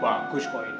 bagus kok ini